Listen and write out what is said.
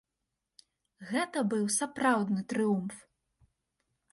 Гэта быў сапраўдны трыумф!